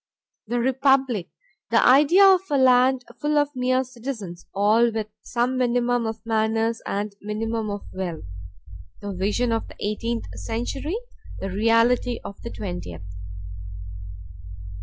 The Republic, the idea of a land full of mere citizens all with some minimum of manners and minimum of wealth, the vision of the eighteenth century, the reality of the twentieth.